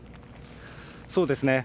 そうですね。